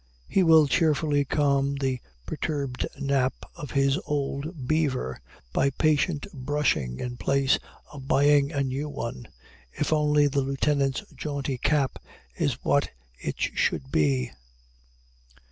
He will cheerfully calm the perturbed nap of his old beaver by patient brushing in place of buying a new one, if only the Lieutenant's jaunty cap is what it should be.